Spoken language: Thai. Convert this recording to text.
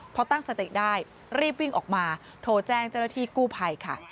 พอตั้งสติได้รีบวิ่งออกมาโทรแจ้งเจ้าหน้าที่กู้ภัยค่ะ